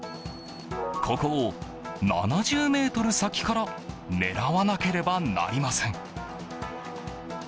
ここを７０ｍ先から狙わなければなりません。